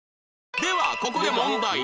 ではここで問題